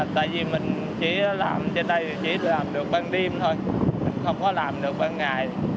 tại vì mình chỉ làm trên đây chỉ làm được ban đêm thôi không có làm được ban ngày